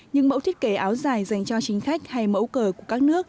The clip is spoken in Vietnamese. những mẫu thiết kế áo dài dành cho chính khách hay mẫu cờ của các nước